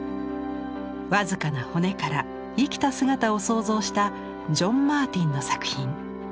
僅かな骨から生きた姿を想像したジョン・マーティンの作品。